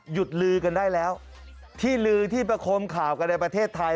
ลือกันได้แล้วที่ลือที่ประคมข่าวกันในประเทศไทย